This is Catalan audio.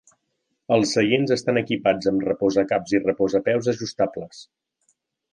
Els seients estan equipats amb reposacaps i reposapeus ajustables.